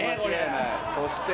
そして。